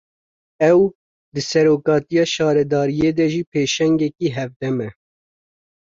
Ew, di serokatiya şaredariyê de jî pêşengekî hevdem e